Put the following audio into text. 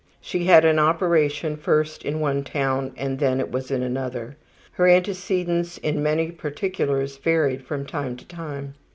She had an operation first in one town and then it was in another. Her antecedents in many particulars varied from time to time.